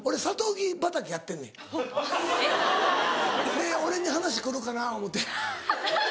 で俺に話くるかな思うて。